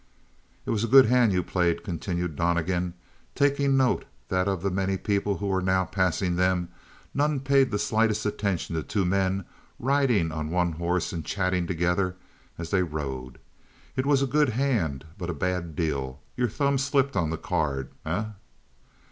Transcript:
"It was a good hand you played," continued Donnegan; taking note that of the many people who were now passing them none paid the slightest attention to two men riding on one horse and chatting together as they rode. "It was a good hand, but a bad deal. Your thumb slipped on the card, eh?"